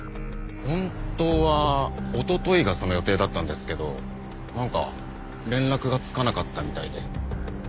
本当はおとといがその予定だったんですけどなんか連絡がつかなかったみたいで。